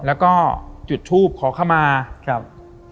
แล้วี่ทุบขอเข้ามาครับ